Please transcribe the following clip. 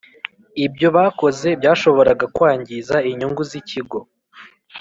Ibyo bakoze byashoboraga kwangiza inyungu z’ ikigo